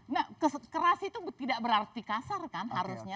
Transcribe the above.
nah keras itu tidak berarti kasar kan harusnya